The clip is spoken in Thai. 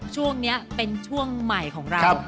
ช่วงนี้เป็นช่วงใหม่ของเรา